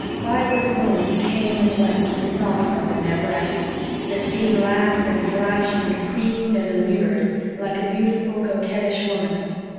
Vibrant winds came and went with salt foam in their breath. The sea laughed and flashed and preened and allured, like a beautiful, coquettish woman.